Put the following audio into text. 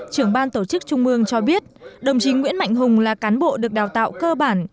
trưởng ban tổ chức trung mương cho biết đồng chí nguyễn mạnh hùng là cán bộ được đào tạo cơ bản